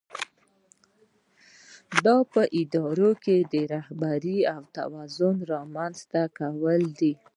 دا په اداره کې د رهبرۍ او توازن رامنځته کول دي.